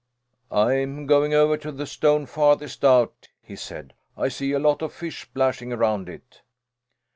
"I'm going over to the stone farthest out," he said. "I see a lot of fish splashing round it."